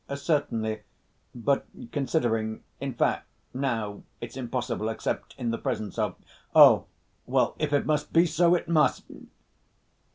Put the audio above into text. "Certainly, but considering ... in fact, now it's impossible except in the presence of—" "Oh, well, if it must be so, it must!"